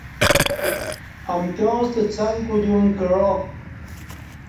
امکیاں ستہ څک کودیوم کعا